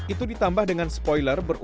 itu ditambah dengan spoiler berukuran berat